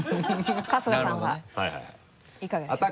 春日さんはいかがでしょうか？